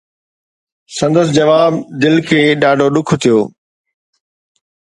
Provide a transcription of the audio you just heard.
سندس جواب دل کي ڏاڍو ڏک ٿيو.